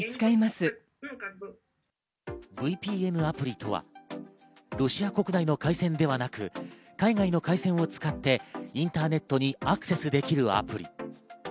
ＶＰＮアプリとは、ロシア国内の回線ではなく海外の回線を使ってインターネットにアクセスできるアプリ。